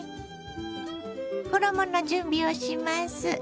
衣の準備をします。